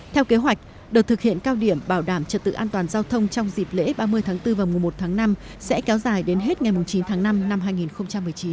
theo kế hoạch đợt thực hiện cao điểm bảo đảm trật tự an toàn giao thông trong dịp lễ ba mươi tháng bốn và mùa một tháng năm sẽ kéo dài đến hết ngày chín tháng năm năm hai nghìn một mươi chín